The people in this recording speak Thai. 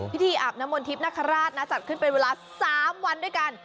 อาบน้ำมนทิพย์นคราชนะจัดขึ้นเป็นเวลา๓วันด้วยกัน